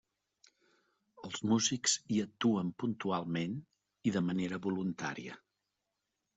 Els músics hi actuen puntualment i de manera voluntària.